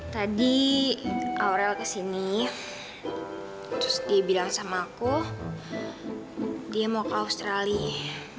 tadi aurel kesini terus dia bilang sama aku dia mau ke australia